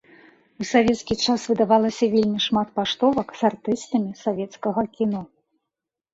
У савецкі час выдавалася вельмі шмат паштовак з артыстамі савецкага кіно.